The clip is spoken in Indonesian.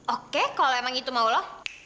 oke kalau emang itu mau loh